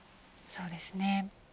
そうですね。